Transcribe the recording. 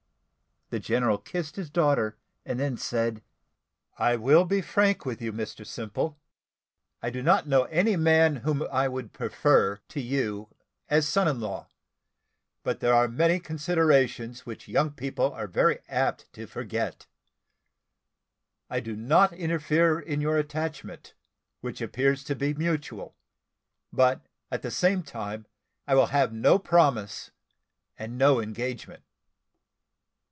The general kissed his daughter, and then said, "I will be frank with you, Mr Simple. I do not know any man whom I would prefer to you as a son in law; but there are many considerations which young people are very apt to forget. I do not interfere in your attachment, which appears to be mutual; but at the same time, I will have no promise, and no engagement.